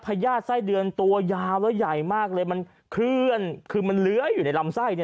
ญาติไส้เดือนตัวยาวแล้วใหญ่มากเลยมันเคลื่อนคือมันเลื้อยอยู่ในลำไส้